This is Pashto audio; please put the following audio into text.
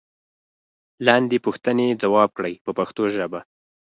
لاندې پوښتنې ځواب کړئ په پښتو ژبه.